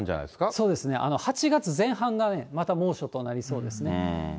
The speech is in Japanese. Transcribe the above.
そうですね、８月前半がね、また猛暑となりそうですね。